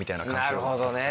なるほどね。